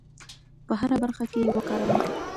په هره برخه کې یې وکاروو.